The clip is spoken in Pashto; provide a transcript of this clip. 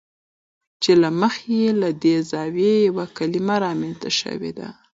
چې له مخې یې له دې زاویې یوه کلمه رامنځته شوې ده.